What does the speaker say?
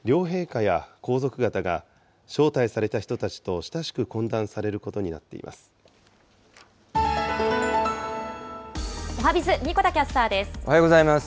園遊会では、両陛下や皇族方が招待された人たちと親しく懇談されることになっおはＢｉｚ、神子田キャスタおはようございます。